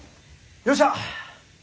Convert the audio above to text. よっしゃ！